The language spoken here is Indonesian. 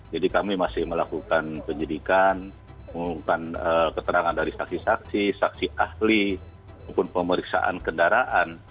jadi kami masih melakukan penyelidikan mengumumkan keterangan dari saksi saksi saksi ahli maupun pemeriksaan kendaraan